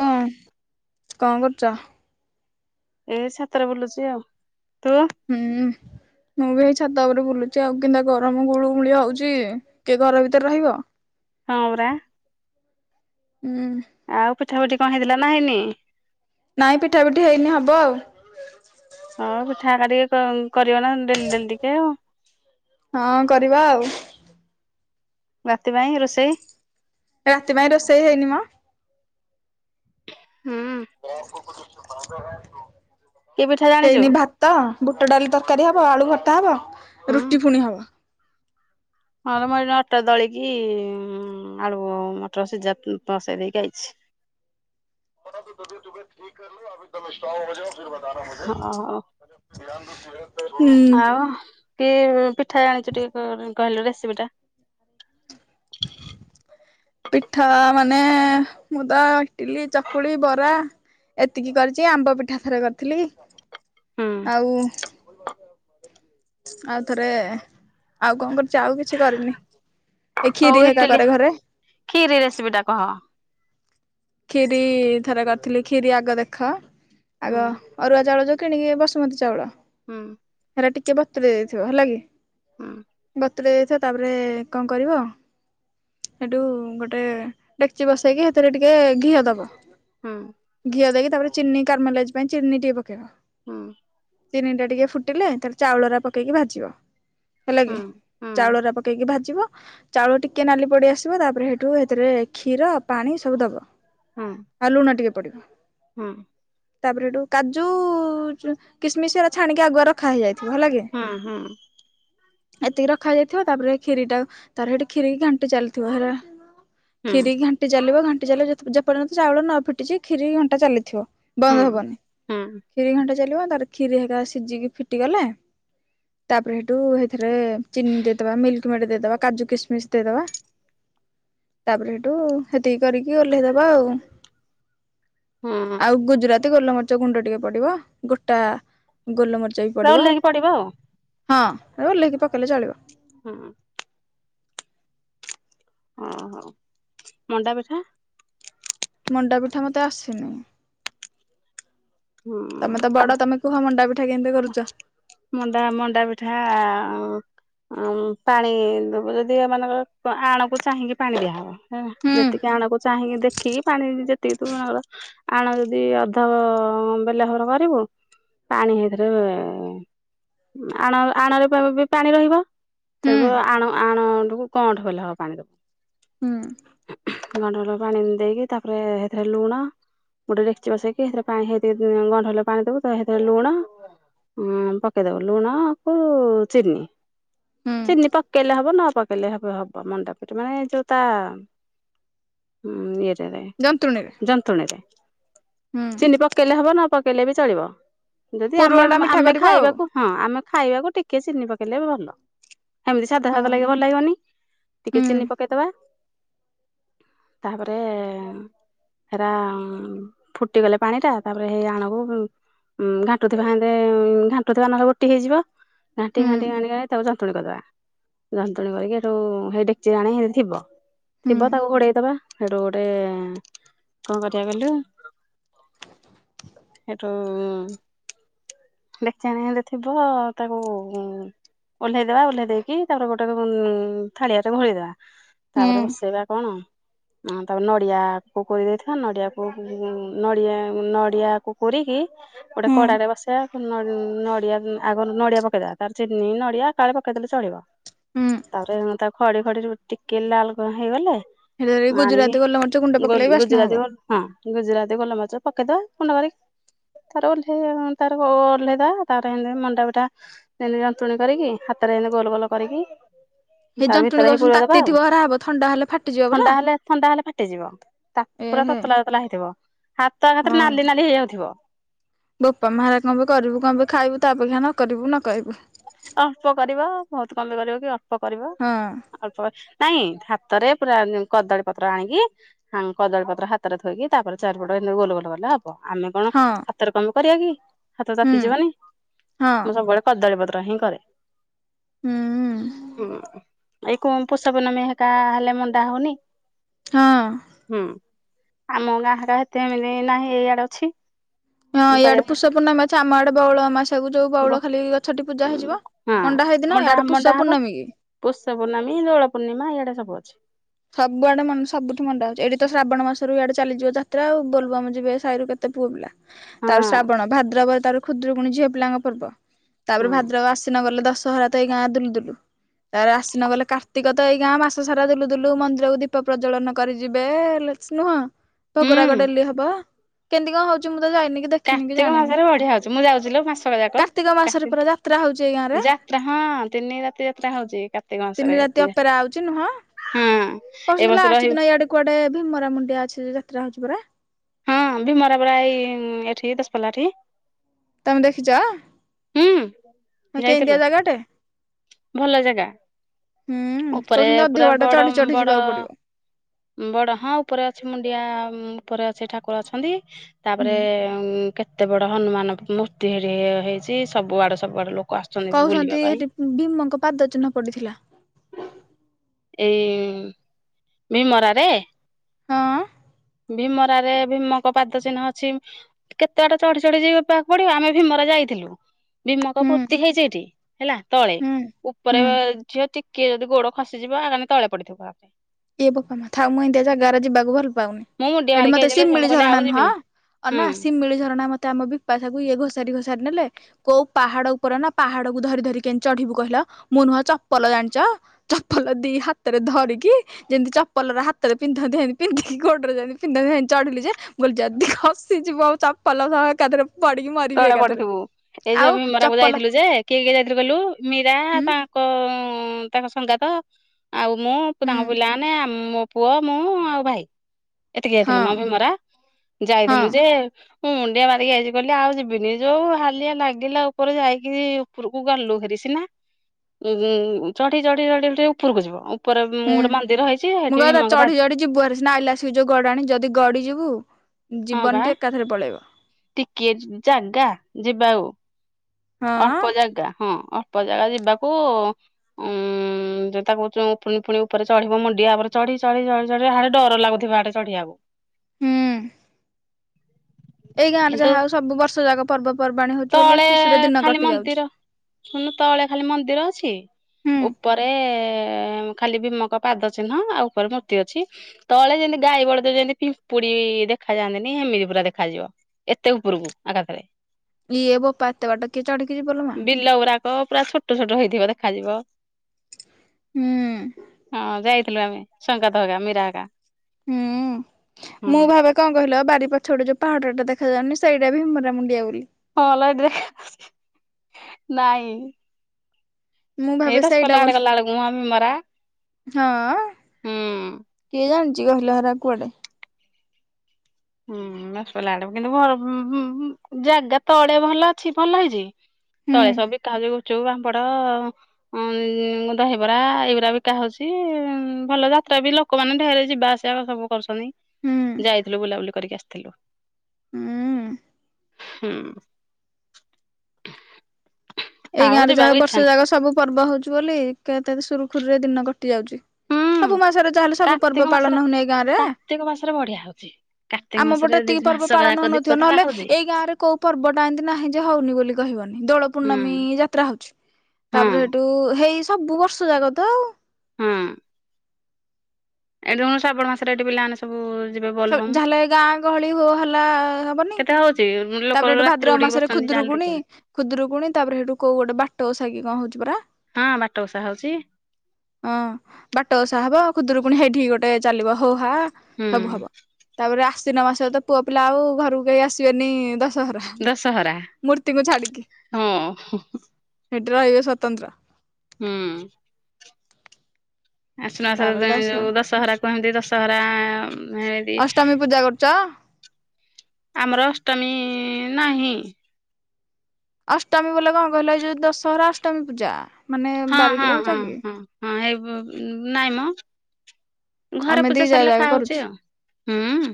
ହୁଁ କଣ କରୁଛ? ଏଇ ଛାତରେ ବୁଲୁଛି ଆଉ। ତୁ? ହୁଁ ମୁଁ ବି ଏଇ ଛାତ ଉପରେ ବୁଲୁଛି ଆଉ। କେଁତା ଗରମ ଗୁଳୁଗୁଳି ହଉଛି? କିଏ ଘର ଭିତରେ ରହିବ। ହଁ ପରା। ହୁଁ। ଆଉ ପିଠା ଫିଠା କଣ ହେଇଥିଲା ନା ହେଇନି? ନାଇଁ ପିଠା ପିଠି ହେଇନି ହବ ଆଉ। ହଁ ପିଠା ହେରିକା ଟିକେ କ କରିବ ନା ଡେଲି ଡେଲି ଟିକେ ଆଉ। ହଁ କରିବା ଆଉ। ରାତି ପାଇଁ ରୋଷେଇ? ରାତି ପାଇଁ ରୋଷେଇ ହେଇନି ମ। ହୁଁ। କି ପିଠା ଜାଣିଛୁ? ହେଇନି ଭାତ ତ ବୁଟ ଡାଲି ତରକାରୀ ହେବ, ଆଳୁ ଭର୍ତ୍ତା ହେବ, ହୁଁ ରୁଟି ଫୁଣି ହବ। ହଁ ମୁଁ ଏଇନା ଅଟା ଦଳିକି ଆଳୁ ମଟର ସିଝା ତ ବସେଇ ଦେଇକି ଆଇଛି। ବ ତ ଯଦି ତୁେ ଠିକ କର ଲୁ ଆଉ ଏକଦମ ଷ୍ଟକ୍ଯାଉ ଫ ବତାନା [unintelligible] ହଁ ହଉ। ଆୁ [unintelligible] ଆଉ କି ପିଠା ଜାଣିଛୁ ଟିକେ କହିଲୁ ରେସିପି ଟା? [inaudible] ପିଠା ମାନେ ମୁଁ ତ ଇଟିଲି, ଚକୁଳି, ବରା। ଏତିକି କରିଛି ଆମ୍ବ ପିଠା ଥରେ କରିଥିଲି ହୁଁ ଆଉ। ଆଉଥରେ ଆଉ କଣ କରିଛି ଆଉ କିଛି କରିନି। ଏ ହଉ କ୍ଷୀରି ହେକା ଇଟିଲି, କରେ ଘରେ ଖିରି ରେସିପି ଟା କହ। ଖିରି ଥରେ କରିଥିଲି ଖିରି ଆଗ ଦେଖ ହୁଁ ଆଗ। ଅରୁଆ ଚାଉଳ ଯେଉଁ କିଣିକି ବସୁମତୀ ଚାଉଳ। ହୁଁ। ହେରା ଟିକେ ବତୁରେ଼ଇ ଦେଇଥିବ ହେଲା କି? ହୁଁ ବତୁରେଇ ଦେଇଥିବ ତାପରେ କଣ କରିବ। ସେଇଠୁ ଗୋଟେ ଡେକ୍ଚି ବସେଇକି ସେଥିରେ ଟିକେ ଘିଅ ଦବ। ହୁଁ। ଘିଅ ଦେଇକି ତାପରେ ଚିନି କାରମାଲାଇଜ ପାଇଁ ଚିନି ଟିକେ ପକେଇବ। ହୁଁ। ଚିନି ଟା ଟିକେ ଫୁଟିଲେ ତାର ଚାଉଳ ଟା ପକେଇକି ଭାଜିବ ହେଲା କି। ହୁଁ ହୁଁ ଚାଉଳ ଟା ପକେଇକି ଭାଜିବ ଚାଉଳ ଟିକେ କେନାଲି ପଡି ଆସିବ ତାପରେ ହେଠୁ ହେଥରେ କ୍ଷୀର ପାଣି ସବୁ ଦବ। ହୁଁ ଆଉ ଲୁଣ ଟିକେ ପଡିବ। ହୁଁ ତାପରେ ଏଠୁ କାଜୁ କିସମିସ୍ ଏରା ଛାଣିକି ଆଗୁଆ ରଖା ହେଇଯାଇଥିବ ହେଲାକି। ହୁଁ ହୁଁ। ଏତିକି ରଖା ହେଇଯାଇଥିବ ତାପରେ କ୍ଷୀରିଟା ତାର ହେଠି ଖିରିକି ଘାଣ୍ଟି ଚାଲିଥିବ ହେରା, ହୁଁ ଖିରିକି ଘା ଟି ଚାଲିବ ଘାଣ୍ଟି ଚାଲିବ ଯେତ୍ ଯେପର୍ଯ୍ୟନ୍ତ ଚାଉଳ ନ ଫିଟିଛି ଖିରି ଘଣ୍ଟା ଚାଲିଥିବ। ହୁଁ ବନ୍ଦ ହବନି। ହୁଁ ଖିରି ଘଣ୍ଟା ଚାଲିବ ତାପରେ ଖିରି ହେକା ସିଝିକି ଫିଟିଗଲେ ତାପରେ ହେଠୁ ହେଥିରେ ଚିନି ଦେଇଦବା ମିଲ୍କ ମେଡ ଦେଇଦବା କାଜୁ କିସ୍ ମିସ୍ ଦେଇଦବା ତାପରେ ହେଠୁ ହେତିକି କରିକି ଓହ୍ଲେଇଦବା ଆଉ ହୁଁ ଆଉ ଗୁଜୁରା ତି ଗୋଲମରିଚ ଗୁଣ୍ଡ ଟିକେ ପଡିବ ଗୋଟା ଗୋଲମରିଚ ବି ପୁରା ପଡିବ। ଓହ୍ଲେଇକି ଆଉ ହଁ ଓଲ୍ହେଇକି ପକେଇଲେ ଚଳିବ। ହୁଁ। ଓ ହଉ ମଣ୍ଡା ପିଠା। ମଣ୍ଡା ପିଠା ମତେ ଆସିନି। ହୁଁ ତମେ ତ ବଡ ତମେ କୁହ ମଣ୍ଡା ପିଠା କେମିତି କରୁଛ? ମଣ୍ଡା ମଣ୍ଡା ପିଠା ଆ ପାଣି ଦବ ଯଦି ଏମାନାନଙ୍କ ଆଣକୁ ଚାହିଁକି ପାଣି ଦିଆହବ। ହେନା ହୁଁ ଯେତିକି ଆଣକୁ ଚାହିଁକି ଦେଖିକି ପାଣି ଯେ ତିିକି ତୁ ମନେକର ଆଣ ଯଦି ଅଧ ବେଲା ଭାବର କରିବୁ ପାଣି ହେଇଥିରେ ଆଣ ଆଣରେ ପା ବି ପାଣି ରହିବ। ହୁଁ ତାକୁ ଆଣ ଆଣଟାକୁ କଅଁଣ୍ଠ ଭଲେ ହବ ପାଣି ଦବ। ହୁଁ ଗଅଁଣ୍ଠ ଭଲ ପାଣି ଦେଇକି ତାପରେ ହେଥିରେ ଲୁଣ ଗୋଟେ ଡେକ୍ଚି ବସେଇକି ହେଥିରେ ପା ହେଥି ଗଅଁଣ୍ଠ ହେଲେ ପାଣି ଦବୁ ହେଥିରେ ଲୁଣ ପା ପକେଇଦବ ଲୁଣ କୁ ଚିନି, ହୁଁ ଚିନି ପକେଇଲେ ହବ ନା ପକେ ପେଲେ ହବ ହବ ମଣ୍ଡାପିଠା ମାନେ ଯୋଉ ତା ଉଁ ଇଏଟାରେ ଯନ୍ତୁଣୀରେ ଜନ୍ତୁଣିରେ ହୁଁ ଚିିନି ପ କେଇଲେ ହବ ନ ପକେଇଲେ ବି ଚଳିବ, ଯଦି ପୁରୁଆ ଆମେ ଟା ମିଠା ଆମେ କରିବ ଆଉ ଖାଇବାକୁ ହଁ ଆମେ ଖାଇବାକୁ ଟିକେ ଚିନି ପକେଇଲେ ବି ଭଲ। ହେମିତି ସାଧା ହଁ ସାଧା ଲାଗିବ ଭଲ ଲାଗିବନି, ଟିକେ ହୁଁ ଚିନି ପକେଇଦବା। ତା ପରେ ହେରା ଫୁଟିଗଲେ ପାଣିଟା ତାପରେ ହେଇ ଆଣକୁ ଉଁ ଘାଣ୍ଟୁଥିବା [unintelligible] ଘା ପ୍ର ନହେଲେ ବୋଟି ହେଇଯିବ ଘାଣ୍ଟି ହୁଁ ଘାଣ୍ଟି ଘାଣ୍ଟିକା ତାକୁ ଜନ୍ତୁଣି କରିଦବା। ଜନ୍ତୁଣି କରିକି ଏଠୁ ହେଇ ଡେକଚି ଜାଣ ସେ ଥିବ, ହୁଁ ଥିବ ତାକୁ ଘୋଡେଇ ଦବା। ହେଠୁ ଗୋଟେ କଣ କରିବା କଇଲୁ ହେଠୁ [unintelligible] ଥିବ ତାକୁ ଓହ୍ଲେଇଦବା ଓହ୍ଲେଇ ଦେଇକି ତାପରେ ଗୋଟେ ଥାଳିଆ ରେ ଭରିଦେବା। ହୁଁ ତାପରେ ବସେଇବା କଣ? ଆଁ ତାପ ନଡ଼ିଆକୁ କୋରିଦେଇଥିବା ନଡ଼ିଆକୁ ନଡ଼ିଆ ନଡ଼ିଆକୁ କୋରିକି ଗୋଟେ ହୁଁ କଡାରେ ବସେଇବା ନ ନଡିଆ ଆଗ ନଡିଆ ପକେଇଦେବା ତାରେ ଚିନି ନଡିଆ ଏକାଳେ ପକେଇଦେଲେ ଚଳିବ। ହୁଁ ତାପରେ ମୁଁ ତା ଖଡି ଫଡି ଟିକେ ଲାଲ କଣ ହେଇଗଲେ ହେଲେ ଆଣିବି ଗୁଜୁରାତି ଗୋଲମରିଚ ଗୁଣ୍ଡ ଗୁ ପକେଇଲେ ବାସ୍ନା ହବ। ଗୁଜୁରତି ହଁ ଗୁଜୁରାତି ଗୋଲମରିଚ ପକେଇଦବା ଗୁଣ୍ଡ କରିକି। ଏଥର ଓହ୍ଲେଇ ତାପରେ ଓହ୍ଲେଇଦବା। ତାପରେ ଏମତି ମଣ୍ଡା ପିଠା ଯେମିତି ଯନ୍ତୁଣୀ କରିକି, ହାତରେ ଏମିତି ଗୋଲ ଗୋଲ କରିକି ସେଇ ତାର ଯନ୍ତୁଣୀ ଭିତରେ ହେଇ କହୁଛନ୍ତି ପୁରେଇ ଦବା ଆଉ ତାତିଥିବ ହରା ହବ ଥଣ୍ଡା ହେଲେ ଫାଟିଯିବ ପୁରା? ଥଣ୍ଡା ହେଲେ ଥଣ୍ଡା ହେଲେ ଫାଟିଯିବ। ତା ପୁରା ହେ ତତଲା ତତଲା ହେଇଥିବ ହାତ ଏକାଥରେ ହଁ ନାଲି ନାଲି ହେଇଯାଉଥିବ। ବୋପା, ମା ହେରା କଣ ପାଇଁ କରିବୁ କଣ ପାଇଁ ଖାଇବୁ। ତା ଅପେକ୍ଷା ନ କରିବୁ ନ କହିବୁ। ଅଳ୍ପ କରିବ, ବହୁତ କଣପାଇଁ କରିବ କି? ଅଳ୍ପ କରିବ। ହଁ। ଅଳ୍ପ, ନାଇଁ ହାତରେ ପୁରା କଦଳୀ ପତ୍ର ଆଣିକି ହଁ କଦଳୀପତ୍ର ହାତରେ ଥୋଇକି ତାପରେ ଚାରିପଟ ଏମତି ଗୋଲ ଗୋଲ କଲେ ହବ। ଆମେ କଣ, ହଁ ହାତରେ କଣପାଇଁ କରିବା କି? ହାତ ହୁଁ ତାତି ଯିବନି, ମୁଁ ହଁ ସବୁବେଳେ କଦଳି ପତ୍ର ହିଁ କରେ। ହୁଁ। ହୁଁ, ଏଇ କଣ ପୁଷପୁର୍ଣମୀ ହେକା ହେଲେ ମୁଣ୍ଡା ହଉନି? ହଁ। ହୁଁ ଆମ ଗାଁ ହେକା ଏତେ ଏମିତି ନାହିଁ, ଏଇଆଡେ ଅଛି। ହଁ, ଏମିତି ଏଇଆଡେ କରିବାକୁ ପଡିବ। ପୁଷପୂର୍ଣ୍ଣମା ଅଛି। ଆମ ଆଡେ ବଉଳ ଅମାବାସ୍ୟାକୁ ଯୋଉ ବ ବଉଳ ଖାଲି ଏ ଛଟି ପୂଜା ହେଇଯିବ ହଁ ମଣ୍ଡା ହେଇ ଦିନ। ଇଆଡେ ପୁଷ ପୂର୍ଣ୍ଣମୀ କି? ପୁଷପୂର୍ଣ୍ଣମୀ, ଦୋଳ ପୂର୍ଣ୍ଣିମା ଏଇଆଡା ସବୁ ଅଛି। ସବୁଆଡେ ମା ସବୁଠୁ ମଣ୍ଡା ହଉଛି। ଏଇଠି ତ ଶ୍ରାବଣ ମାସରୁ ଇଆଡେ ଚାଲିଯିବ ଯାତ୍ରା ଆଉ ବୋଲଵମ୍ ଯିବେ ସାହିରୁ କେତେ ପୁଅ ପିଲା। ହଁ ତାପରେ ଶ୍ରାବଣ, ଭାଦ୍ରବ ତାପରେ ଖୁଦୁକୁୁଣୀ ଝିଅ ପିଲାଙ୍କ ପର୍ବ। ତାପରେ ହୁଁ ଭଦ୍ରକ ଆଶ୍ୱିନ ଗଲେ ଦଶହରା ତ ଏଇ ଗାଁ ଦୁଲୁ ଦୁଲୁ। ତାପରେ ଆଶ୍ୱିନ ଗଲେ କାର୍ତ୍ତିକ ତ ଏଇ ଗାଁ ମାସ ସାରା ଦୁଲୁ ଦୁଲୁ, ମନ୍ଦିରକୁ ଦୀପ ପ୍ରଜ୍ଵଳନ କରିଯିବେ, ନୁହଁ? ହୁଁ। ଭୋଗରାଗ ଡେଲି ହବ। କେମତି କଣ ହଉଚି, ମୁଁ ତ ଯାଇନି କି ଦେଖ କାର୍ତ୍ତିକ ମାସରେ ବଢିଆ ହଉଛି। ମୁଁ ଯାଉଚିଲୋ ମାସକ ଯାକ। କାର୍ତ୍ତିକ ମାସରେ କାର୍ତିକ ପୁରା ଯାତ୍ରା ହଉଛି ଏଇ ଗାଁରେ ଯା ଯାତ୍ରା ହଁ, ତିନି ରାତି ଯାତ୍ରା ହଉଛି କାର୍ତ୍ତିକ ତିନି ମାସରେ। ରାତି ଅପେରା ହଉଛି ନୁହଁ। ହଁ। ଏ କହୁଛନ୍ତି ବର୍ଷ ଲାଷ୍ଟ ରହିବୁ ଦିନ ଇଆଡେ କୁଆଡେ ଭୀମରା ମୁଣ୍ଡିଆ ଅଛି ଯାତ୍ରା ହଉଛି ପରା? ହଁ ଭିମରା ପରା ଏଇ ଏଠି ଦଶ ପଲ୍ଲାଠି। ତମେ ଦେଖିଚ, ହୁଁ ହେ ଯାଇଥିଲୁ। କେଁତିଆ ଜାଗା ଟେ? ଭଲ ଜାଗା। ଉପରେ କହୁଛନ୍ତି ଅଧିକ ପୁରା ବାଟ ବଡ ଚଢି ଚଢି ବଡ଼ ଯିବାକୁ ପଡିବ ବଡ ହଁ, ଉପରେ ଅଛି ମୁଣ୍ଡିଆ ଉପରେ ଅଛି ଠାକୁର ଅଛନ୍ତି। ତାପରେ ହୁଁ। ଉଁ କେତେ ବଡ ହନୁମାନ ମୂର୍ତ୍ତି ହେଠେ ହେଇଚି। ସବୁଆଡୁ ସବୁଆଡୁ ଲୋକ ଆସୁଛନ୍ତି ବୁଲିବା କହଉଛନ୍ତି ପାଇଁ ସେଠି ଭୀମଙ୍କ ପାଦ ଚିହ୍ନ ପଡିଥିଲା। ଏଇ ମିମରାରେ? ହଁ। ଭୀମରାରେ ଭୀମଙ୍କ ପାଦ ଚିହ୍ନ ଅଛି। କେତେବାଟ ଚଢି ଚଢି ଯିବାପାଇଁ ପଡିବ। ଆମେ ଭୀମରା ଯାଇଥିଲୁ। ବିମକ ହୁଁ ପୂର୍ତ୍ତି ହେଇଚି ହେଠି, ହେଲା ତଳେ? ହୁଁ ଉପରେ ହୁଁ। ଝିଅ ଟିକେ ଯଦି ଗୋଡ ଖସି ଖସିଯିବ ଆମେ ତଳେ ପଡିଥିବୁ ଏ ବୋପା ମା ଥାଉ ଏମିତି ଜାଗାରା ଯିବାକୁ ଭଲ ପାଉନି। ମୁଁ ମୁଣ୍ଡିଆ ଏଠି ମାରିକି ମତେ ଆଇଚିଲୋ ଝିଅ ସିମିଳି ମୁଁ କହିଲି ଆଉ ଝରଣା ନୁହଁ? ଯିବିନି ହୁଁ ଅନା ସିମିଳି ଝରଣା ମତେ ଆମ ବି ପାସାକୁ ଇଏ ଘୋଷାରି ଘୋଷାରି ନେଲେ କୋଉ ପାହାଡ ଉପରେ ନା ପାହାଡକୁୁ ଧରି ଧରି କେମିତି ଚଢିବୁ କହିଲ? ମୁଁ ନୁହଁ ଚପଲ ଜାଣିଚ ଚପଲ ଦି ହାତରେ ଧରିକି ଯେମିତି ଚପଲର ହାତରେ ପିନ୍ଧନ୍ତି, ସେନ୍ତି ପିନ୍ଧିକି ଗୋଡରେ ଯେମିତି ହେଲେ ପିନ୍ଧନ୍ତି ଚଢିଲି ଯେ ମୁଁ କହିଲି ଯଦି ଖସିଯିବ ଆଉ ଚପଲ ସହ ଏକାଥରେ ପଡିକି ମରି ତଳେ ପଡିଥିବୁ ଏଇ ଯୋଉ ଭୀମରାକୁ ଯାଇଥିଲୁ ଯେ, କିଏ କିଏ ଯାଇଥିଲୁ କହିଲୁ? ମୀରା, ହୁଁ ତା ହଁ ତାଙ୍କ ସଙ୍ଗାତ ଆଉ ମୁଁ ହୁଁ ତାଙ୍କ ପିଲା ମାନେ ଆଉ ମୋ ପୁଅ, ମୁଁ ଆଉ ଭାଇ। ଏତିକି ହଁ ଯାଇଥିଲୁ ମ ଭୀମରା ହଁ ଯାଇଥିଲୁ ଯେ, ମୁଁ ମୁଣ୍ଡିଆ ମାରିକି ଯାଇଛି କଲି ଆଉ [unintelligible] ଯୋଉ ହାଲିଆ ଲାଗିଲା ଉପରେ ଯାଇକି ଉପରକୁ ଗଲୁ ହେରି ସିନା ଉ ଚଢି ଚଢି ଚଢି ଉପରକୁ ଯିବ। ଉପରେ [unintelligible] ହୁଁ ଗୋଟେ ମନ୍ଦିର ହେଇଛି ମୁଁ ସେଠି କହିବା କଥା ଭୀମଙ୍କ ଚଢି ପାଦ ଚଢି ଯିବୁ ହେରି ସିନା ଆଇଲା ବେଳକୁ ସେ ଯୋଉ ଗଡାଣି ଯଦି ଗଡି ଯିବୁ ହଁ ବା ଟିକିଏ ଜାଗା ଯିବା ଆଉ। ହଁ ଅଳ୍ପ ଜାଗା ହଁ ଅଳ୍ପ ଜାଗା ଯିବାକୁ ଉଁ ଯଦି ତାକୁ କହୁ ପୁଣି ପୁଣି ଉପରେ ଚଢିବ, ମୁଣ୍ଡିଆ ଉପରେ ଚଢି ଚଢି ଚଢି ଡର ଲାଗୁଥିବ ଆଡେ ଚଢିଆକୁ। ହୁଁ। ଏଇ ଗାଁରେ କିନ୍ତୁ ଯାହା ଆଉ ସବୁ ବର୍ଷ ଯାକ ପର୍ବପର୍ବାଣୀ ହଉଛି ବୋଲି, ଖୁସିରେ ଦିନ କଟି ଯାଉଛି। ଶୁଣନୁ ତଳେ ଖାଲି ମନ୍ଦିର ଅଛି? ହୁଁ ଉପରେ ଖାଲି ଭୀମଙ୍କ ପାଦ ଚିହ୍ନ ଆଉ ଉପରେ ମୂର୍ତ୍ତି ଅଛି। ତଳେ ଯେମିତି ଗାଈ ବଳଦ ଯେମିତି ପିମ୍ପୁଡି ଦେଖା ଯାଆନ୍ତିନି ଏମିତି ପୁରା ଦେଖାଯିବ। ଏତେ ଉପରକୁ ଆକାଶରେ। ଇଏ ବୋପା ଏତେ ବାଟ କିଏ ଚଢ଼ିକି ଯିବ ଲୋ? ବିଲ ଗୁଡାକ ପୁରା ଛୋଟ ଛୋଟ ହେଇଥିବ ଦେଖାଯିବ। ହୁଁ ହଁ ଯାଇଥିଲୁ ଆମେ ସଙ୍ଗାତ ହେକା ମୀରା ହେକା। ହୁଁ ମୁଁ ଭାବେ କଣ କହିଲ ବାରି ପଛପଟେ ଯୋଉ ପାହାଡ ଟା ଦେଖାଯାଉନି ସେଇଟା ଭୀମରା ମୁଣ୍ଡିଆ ବୋଲି। ହଁ ବା [unintelligible] ନାଇଁ। ମୁଁ ଏଇ ଭାବେ ସେଇଟା ଦଶପଲ୍ଲା ଆଡେ ବୋଲି ଗଲା ବେଳକୁ ମ ମରା ହଁ। ହୁଁ। କିଏ ଜାଣିଛି [unintelligible] ହରା କୁଆଡେ? ହୁଁ - ହୁଁ -ହୁଁ ଜାଗା ତଳେ ଭଲ ଅଛି ଭଲ ହେଇଛି। ହୁଁ ତଳେ ସବୁ ବିକା ହଉଛି ଗୁପଚୁପ, ପାମ୍ପଡ ହଁ ଦହିବରା ଏଇଗୁରା ବିକା ହଉଛି ଭଲ ଯାତ୍ରା ବି ଲ ଲୋକମାନେ ଢେର ଯିବାଆସିବା ସବୁ କରୁଛନ୍ତି, ହୁଁ ଯାଇଥିଲୁ ବୁଲାବୁଲି କରିକି ଆସିଥିଲୁ। ହୁଁ ହୁଁ। ଏଇ ଆଉ ଗାଁରେ ଯାହା ଯିବାକୁ ଇଚ୍ଛା ବର୍ଷ ନାହିଁ ଯାକ ସବୁ ପର୍ବ ହଉଛି ବୋଲି କେତ ସୁରୁଖୁରୁରେ ଦିନ କଟି ଯାଉଛି। ହୁଁ ସବୁ ମାସରେ ଯାହାହେଲେ ସବୁ କାର୍ତ୍ତିକ ପର୍ବ ମାସରେ ପାଳନ ହଉନି ଏ ଗାଁରେ? କାର୍ତ୍ତିକ ମାସରେ ବଢିଆ ହଉଛି କାର୍ତ୍ତିକ ଆମ ମାସରେ ପଟେ ଦି- ଏତିକି ପର୍ବ ମାସକ ଯାକ ପାଳନ ଦୀପ ହଉନଥିବ, ଜାଳା ନହେଲେ ହଉଛି ଏଇ ଗାଁରେ କୋଉ ପର୍ବଟା ଏମିତି ନାହିଁ ଯେ ହଉନି ବୋଲି। [unintelligible] ବନି ଦୋଳ ହୁଁ ପୂର୍ଣ୍ଣମୀ ଯାତ୍ରା ହଉଚି, ହଁ ତାପରେ ହେଟୁ ହେଇ ସବୁ ବର୍ଷ ଜାକ ତ ଆଉ। ହୁଁ। ଏ ଯୋଉ ଶ୍ରାବଣ ମାସରେ ଏଠି ପିଲାମାନେ ସବୁ ଯିବେ ବୋଲବମ୍ ଯାହେଲେ ଗାଁ ଗହଳି ହୋ ହାଲା ହବନି? [unintelligible] ହଉଚି ଲୋ ତାପରେ ହେଠୁ ଭାଦ୍ରବ ମାସରେ ଖୁଦୁରୁକୁୁଣି, ଖୁଦୁରୁକୁଣି ତାପରେ ହେଟୁ କୋଉ ଗୋଟେ ବାଟ ଓଷା କଣ ହଉଚି ପରା? ହଁ ବାଟ ଓଷା ହଉଚି। ହଁ ବାଟ ବଷା ହବ ଖୁଦୁରୁ ପୁଣି ହେଠି ଗୋଟେ ଚାଲିବ ହୋ ହା। ହୁଁ ସବୁ ହବ ତାପରେ ଆସ୍ଵିନ ମାସ ତ ପୁଅ ପିଲା ଆଉ ଘରକୁ କେହି ଆସିବେନି। ରା ଦଶହରା ମୂର୍ତ୍ତିଙକୁ ଛାଡିକି ହଁ ସେଠି ରହିବେ ସ୍ୱତନ୍ତ୍ର। ହୁଁ। ଆସିନମାସ ଯୋଉ ଦଶହରା କୁହନ୍ତି ଦଶହରା ଏତି। ଅଷ୍ଟମୀ ପୂଜା କରୁଚ? ଆମର ଅଷ୍ଟମୀ ନାହିଁ। ଅଷ୍ଟମୀ ବୋଲେ କଣ କହିଲେ ଏଇ ଯୋଉ ଦଶହରା ଅଷ୍ଟମୀ ପୂଜା। ମାନେ ହଁ ବାରିକି ହଁ ରହୁଛ ହଁ କି? ହଁ ହଁ ହେଇ ନାଇଁ ମ। ଆମେ ଦି ଘରପୂଜା ଯା ସରିଲେ ଯାକ କରୁଛୁ। ଖାଆହଉଚି ଆଉ। ହୁଁ।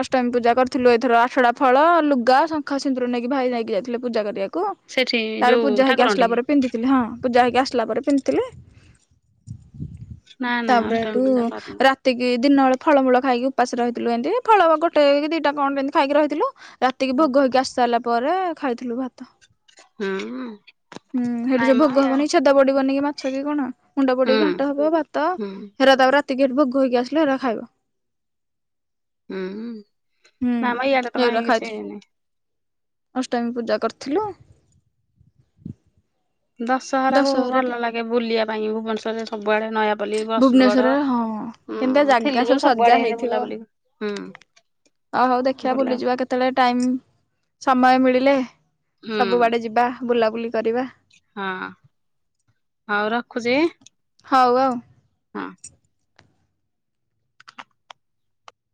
ଅଷ୍ଟମୀ ପୂଜା କରିଥିଲୁ ଏଥର ଆଠଟା ଫଳ ଲୁଗା ଶଙ୍ଖା ସିନ୍ଦୁର ନେଇକି ଭାଇ ନେଇକି ଯାଇଥିଲେ ପୂଜା କରିବାକୁ।। ସେଠି ତାର ଯୋଉ ପୂଜା ହେଇକି ଆସିଲା ଠାକୁରଙ୍କଠି ପରେ ପିନ୍ଧିଥିଲି ହଁ ପୂଜା ହେଇକି ଆସିଲା ପରେ ପିନ୍ଧିଥିଲି। ନା ନା ତାପରେ ଅଷ୍ଟମୀ ଏଠୁ ପୂଜା କରିନୁ ତିକି ଦିନ ବେଳେ ଫଳମୂଳ ଖାଇକି ଉପାସ ରହିଥିଲୁ ଏମତି ଫଳ ଗୋଟେ କି ଦିଟା କଣ ଏମିତି ଖାଇକି ରହିଥିଲୁ ରାତିକି ଭୋଗ ହେଇକି ଆସି ସାରିଲା ପରେ ଖାଇଥିଲୁ ଭାତ। ହୁଁ। ହୁଁ ସେଠି ନାଇଁ ଯୋଉ ମ ଭୋଗ ୟା ହବନି ଛେଦ ପଡିବନି କି ମାଛ କି କଣ ମୁଣ୍ଡ ପଡି ହୁଁ ଘାଣ୍ଟ ହବ ଭାତ ହୁଁ ହେରା ତାପରାତିି ହେଟ ଭୋଗ ହେଇକି ଆସିଲେ ହେରା ଖାଇବ। ଟୋ ହୁଁ ନାମ ଇଆଡ ତ ଏଗୁରା କାଇଁ କିଛି ଖାଇଥିଲୁ ନା ଅଷ୍ଟମୀ ପୂଜା କରିଥିଲୁ।। ଦଶହରା କୁ ଦଶହରାଟି ଭଲ ଲାଗେ ବୁଲିବା ପାଇଁ ଭୁବନେଶ୍ଵରେ ସବୁଆଡେ ନୟା ପାଲି ରସୁଲଗଡ, ଭୁବନେଶ୍ଵରରେ ହଁ ହୁଁ। କେମିତିଆ ଜାଗା ଥିଲି ସବୁ ଯଉ ସଜା ସବୁଆଡେ ହେଇ ବୁଲାବୁଲି ହୁଁ। ଓଉ ହଉ ଦେଖିବା ବୁଲା ବୁଲିଯିବା କେ ତେଳେ ଟାଇମ ସମୟ ମିଳିଲେ ହୁଁ ସବୁଆଡ଼େ ଯିବା ବୁଲାବୁଲି କରିବା। ହଁ। ହଉ ରଖୁଚି। ହଉ ଆଉ।